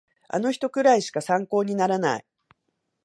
あの人くらいしか参考にならない